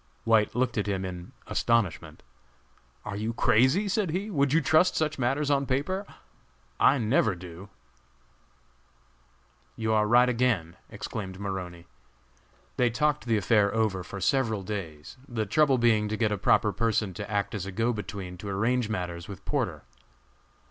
White looked at him in astonishment. "Are you crazy?" said he; "would you trust such matters on paper? I never do." "You are right again," exclaimed Maroney. They talked the affair over for several days, the trouble being to get a proper person to act as a go between to arrange matters with Porter.